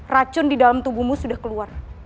racun di dalam tubuhmu sudah keluar